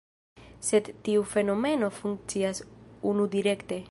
Sed tiu fenomeno funkcias unudirekte.